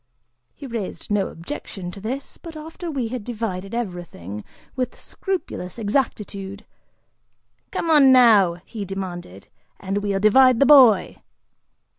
He raised no objection to this, but after we had divided everything with scrupulous exactitude, "Come on now," he demanded, "and we'll divide the boy!"